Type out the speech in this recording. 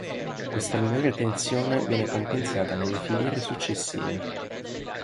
Questa minore tensione viene compensata nelle filiere successive.